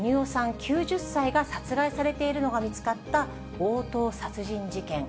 ９０歳が殺害されているのが見つかった強盗殺人事件。